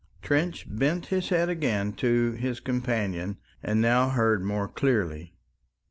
Trench bent his head again to his companion and now heard more clearly.